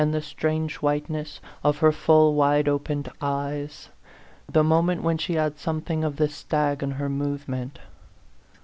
the strange whiteness in her full, wide opened eyes : the moment when she had something of the stag in her movement.